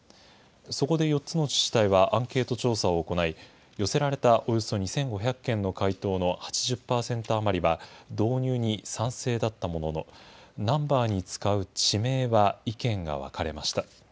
そこで４つの自治体はアンケート調査を行い、寄せられたおよそ２５００件の回答の８０％余りは、導入に賛成だったものの、ナンバーに使う地名は意見が分かれました。